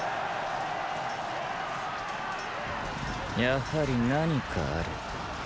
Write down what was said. やはり何かあるーー。